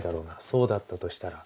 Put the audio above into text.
そうだったとしたら。